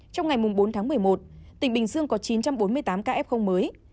trong ngày bốn tháng một mươi một tỉnh bình dương có chín trăm bốn mươi tám ca f mới